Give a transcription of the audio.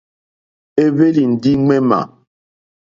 É hwélì ndí ŋmémà.